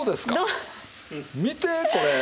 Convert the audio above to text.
見てこれ！